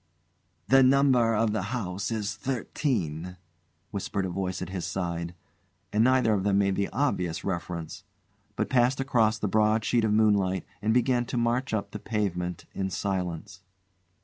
"The number of the house is thirteen," whispered a voice at his side; and neither of them made the obvious reference, but passed across the broad sheet of moonlight and began to march up the pavement in silence.